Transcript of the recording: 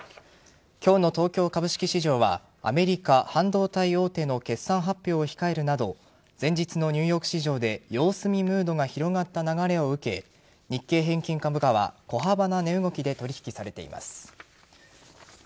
今日の東京株式市場はアメリカ半導体大手の決算発表を控えるなど前日のニューヨーク市場で様子見ムードが広がった流れを受け日経平均株価は小幅な値動きで取引されています。